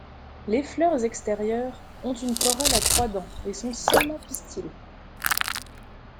Les fleurs extérieures ont une corolle à trois dents et sont seulement pistillées.